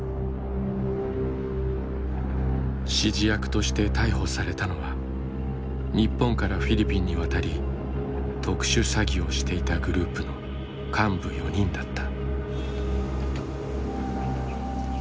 指示役として逮捕されたのは日本からフィリピンに渡り特殊詐欺をしていたグループの幹部４人だった。